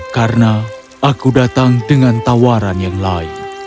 karena aku datang dengan tawaran yang lain